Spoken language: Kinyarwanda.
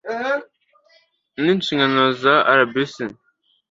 n inshingano za rbc